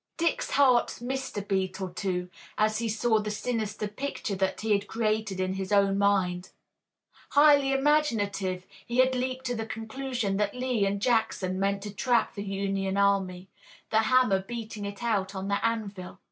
Dick's heart missed a beat or two, as he saw the sinister picture that he had created in his own mind. Highly imaginative, he had leaped to the conclusion that Lee and Jackson meant to trap the Union army, the hammer beating it out on the anvil.